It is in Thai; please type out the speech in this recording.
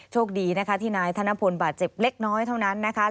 โชคดีนะคะที่นายธนพลบาดเจ็บเล็กน้อยเท่านั้นนะคะ